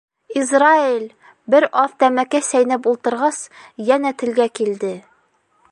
Израэль, бер аҙ тәмәке сәйнәп ултырғас, йәнә телгә килде: